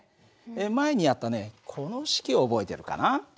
前にやったねこの式を覚えてるかな。